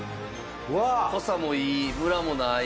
濃さもいいムラもない。